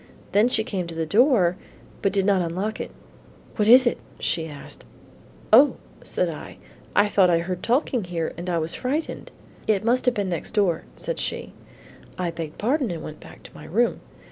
Then she came to the door, but did not unlock it. 'What is it?' she asked. 'O,' said I, 'I thought I heard talking here and I was frightened,' 'It must have been next door,' said she. I begged pardon and went back to my room.